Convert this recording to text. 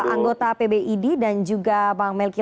anggota pbid dan juga bang melki